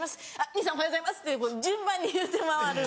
「兄さんおはようございます」って順番に言うて回る。